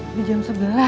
udah jam sebelas